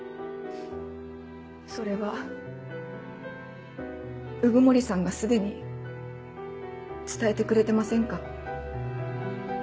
それは鵜久森さんが既に伝えてくれてませんか？